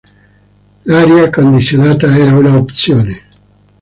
L'aria condizionata era una opzione.